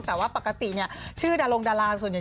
แต่ว่าปกติชื่อดาลงดาลาส่วนใหญ่